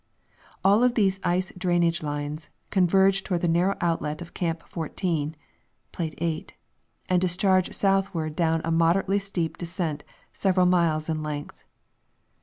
All of these ice drainage lines converge toward the narrow outlet of Camp 14 (plate 8) and discharge southward down a moderately steep descent several miles in length.